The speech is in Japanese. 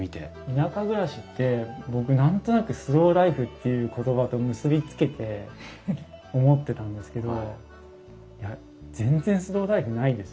田舎暮らしって僕何となくスローライフっていう言葉と結び付けて思ってたんですけど全然スローライフないですね。